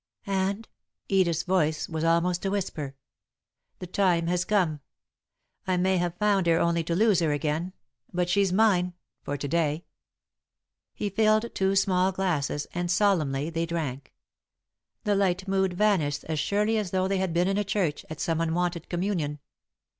'" "And " Edith's voice was almost a whisper. [Sidenote: The Time Has Come] "The time has come. I may have found her only to lose her again, but she's mine for to day." He filled two small glasses, and, solemnly, they drank. The light mood vanished as surely as though they had been in a church, at some unwonted communion.